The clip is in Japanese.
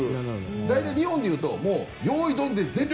大体、日本でいうとよーいドンで全力！